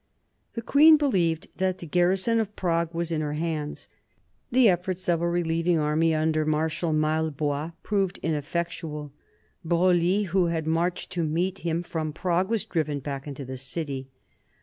The queen believed that the garrison of Prague was in her hands. The efforts of a relieving army under Marshal Maillebois proved ineffectual. Broglie, who had marched to meet him from Prague, was driven back into the city.